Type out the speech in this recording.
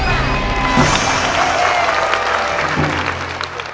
สู้ครับ